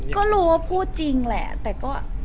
ก็รู้ว่าพูดจริงแหละแต่ก็